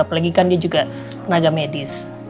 apalagi kan dia juga tenaga medis